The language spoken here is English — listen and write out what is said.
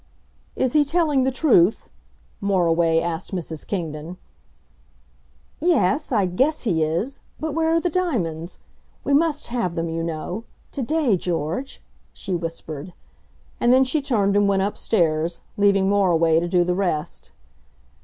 "Is he telling the truth?" Moriway asked Mrs Kingdon. "Ye es, I guess he is; but where are the diamonds? We must have them you know to day, George," she whispered. And then she turned and went upstairs, leaving Moriway to do the rest.